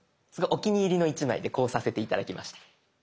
お気に入りの一枚でこうさせて頂きました。